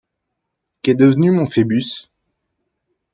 Qu’est devenu mon Phœbus ?